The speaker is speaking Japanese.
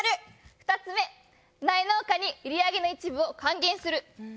２つめ苗農家に売り上げの一部を還元する。